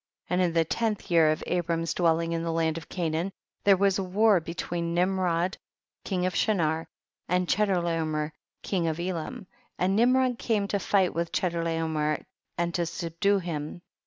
12. And in the tenth year of Abram's dwelling in the land of Ca naan there was war between Nimrod king of iShinarand Chedorlaomerking of Elam, and Nimrod came to fight with Chcdorlaomero/jt/tosubdue him.